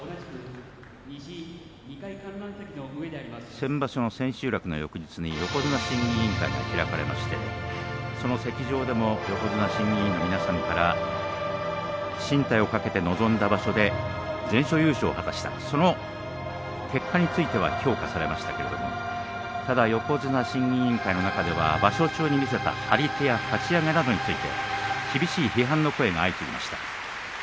先場所の千秋楽の翌日に横綱審議委員会が開かれましてその席上でも横綱審議委員の皆さんから進退を懸けて臨んだ場所で全勝優勝を果たしたその結果については評価されましたけれどもただ横綱審議委員会の中では場所中に見せた張り手や、かち上げについて厳しい批判の声が相次ぎました。